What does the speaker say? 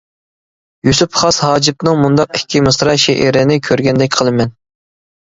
يۈسۈپ خاس ھاجىپنىڭ مۇنداق ئىككى مىسرا شېئىرىنى كۆرگەندەك قىلىمەن.